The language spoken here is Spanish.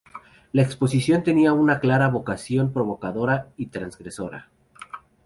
La exposición tenía una clara vocación provocadora y transgresora.